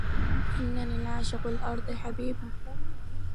إنني العاشق, والأرض حبيبهْ!